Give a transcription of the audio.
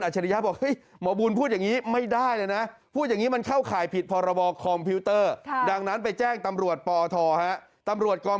จะเอาหลักฐานการให้สัมภาษณ์